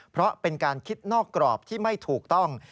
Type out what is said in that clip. เพราะเป็นการคิดนอกกรอบที่ไม่ถูกต้อง